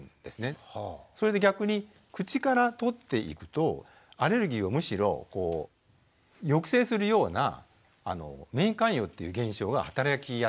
それで逆に口からとっていくとアレルギーをむしろ抑制するような免疫寛容っていう現象が働きやすくなるんです。